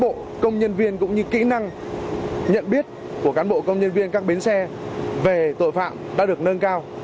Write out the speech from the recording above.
cán bộ công nhân viên cũng như kỹ năng nhận biết của cán bộ công nhân viên các bến xe về tội phạm đã được nâng cao